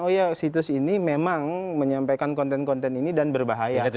oh ya situs ini memang menyampaikan konten konten ini dan berbahaya